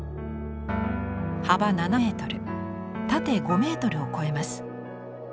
幅７ｍ縦５ｍを超えます。